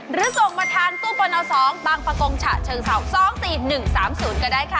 หรือส่งมาทานตู้ปะนาว๒ต่างปะกงฉะเชิงเสา๒ตี๑๓๐ก็ได้ค่ะ